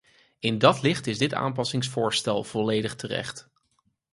In dat licht is dit aanpassingsvoorstel volledig terecht.